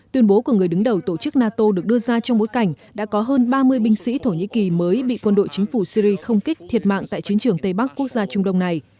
tuyên bố của người đứng đầu tổ chức nato được đưa ra trong bối cảnh đã có hơn ba mươi binh sĩ thổ nhĩ kỳ mới bị quân đội chính phủ syri không kích thiệt mạng tại chiến trường tây bắc quốc gia trung đông này